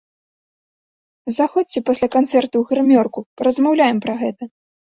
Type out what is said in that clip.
Заходзьце пасля канцэрта ў грымёрку, паразмаўляем пра гэта!